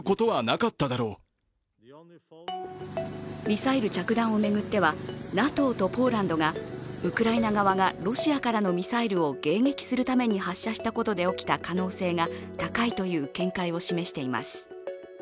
ミサイル着弾を巡ってはＮＡＴＯとポーランドがウクライナ側がロシアからのミサイルを迎撃するために発射したことで起きた可能性が高いという見解を示しています。